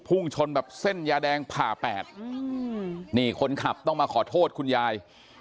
พุ่งชนแบบเส้นยาแดงผ่าแปดนี่คนขับต้องมาขอโทษคุณยาย